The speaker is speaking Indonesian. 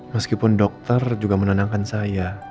meskipun dokter juga menenangkan saya